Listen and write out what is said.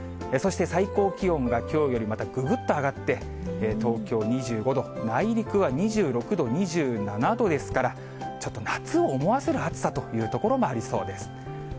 そして最高気温がきょうよりまたぐぐっと上がって、東京２５度、内陸は２６度、２７度ですから、ちょっと夏を思わせる暑さという所もありそうです。